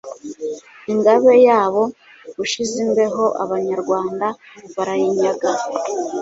Ingabe yabo Bushizimbeho Abanyarwanda barayinyaga.